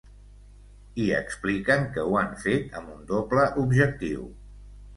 I expliquen que ho han fet amb un doble objectiu.